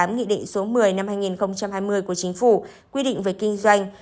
nghị định số một mươi năm hai nghìn hai mươi của chính phủ quy định về kinh doanh